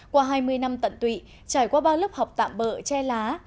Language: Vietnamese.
qua hai mươi năm tận tụy trải qua bao lớp học tạm bỡ che lá